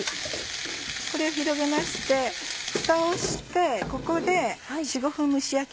これを広げましてふたをしてここで。